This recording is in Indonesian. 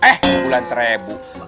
eh bulan seribu